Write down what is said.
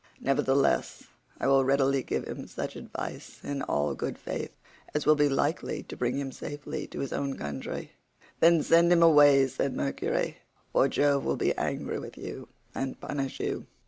Nevertheless I will readily give him such advice, in all good faith, as will be likely to bring him safely to his own country." "Then send him away," said Mercury, "or Jove will be angry with you and punish you".